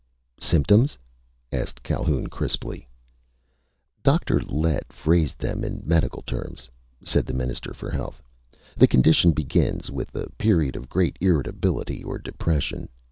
"Symptoms?" asked Calhoun crisply. "Dr. Lett phrased them in medical terms," said the Minister for Health. "The condition begins with a period of great irritability or depression.